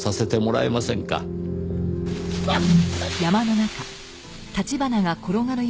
あっ！